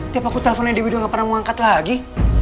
tiap aku teleponnya dewi dia gak pernah mau angkat lagi